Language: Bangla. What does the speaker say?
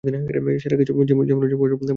সেরা কিছু, যেমন, বজ্রপাতের হিরো হওয়া।